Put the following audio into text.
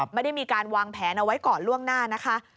ไม่ได้มีการวางแผนเอาไว้ก่อนล่วงหน้านะคะ